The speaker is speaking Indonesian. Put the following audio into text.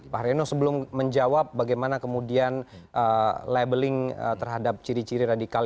pak haryono sebelum menjawab bagaimana kemudian labeling terhadap ciri ciri radikal